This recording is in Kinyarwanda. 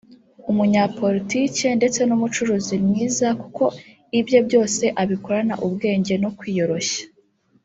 umunyapolitiki ndetse n’umucuruzi mwiza kuko ibye byose abikorana ubwenge no kwiyoroshya